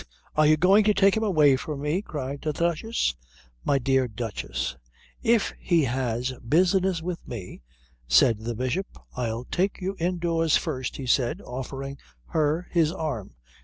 Are you going to take him away from me?" cried the Duchess. "My dear Duchess, if he has business with me " said the Bishop. "I'll take you indoors first," he said, offering her his arm.